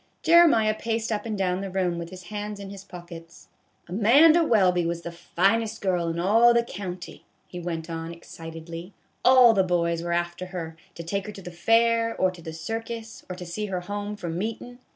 Jeremiah paced up and down the room with his hands in his pockets. " Amanda Welby was the finest girl in all the county," he went on, excitedly ;" all the boys were after her, to take her to the fair, or to the circus, or to see her home from meetin'.